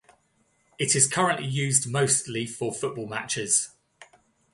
It is currently used mostly for football matches.